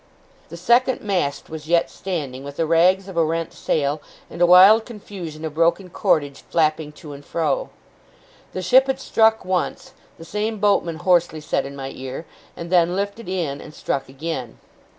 The second mast was yet standing, with the rags of a rent sail, and a wild confusion of broken cordage flapping to and fro. The ship had struck once, the same boatman hoarsely said in my ear, and then lifted in and struck again.